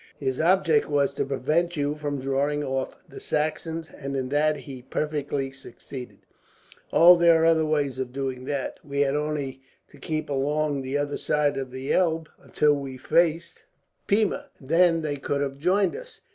His object was to prevent you from drawing off the Saxons, and in that he perfectly succeeded." "Oh, there are other ways of doing that! We had only to keep along the other side of the Elbe until we faced Pirna, then they could have joined us."